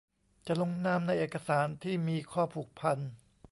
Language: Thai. จะลงนามในเอกสารที่มีข้อผูกพัน